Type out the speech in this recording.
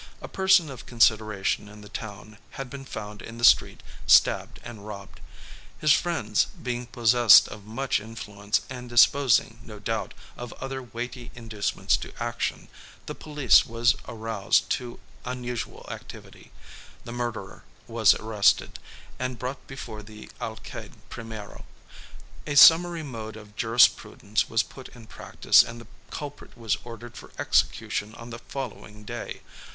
A person of consideration in the town had been found in the street stabbed and robbed. His friends, being possessed of much influence, and disposing, no doubt, of other weighty inducements to action, the police was aroused to unusual activity; the murderer was arrested, and brought before the Alcalde primero. A summary mode of jurisprudence was put in practice, and the culprit was ordered for execution on the following day.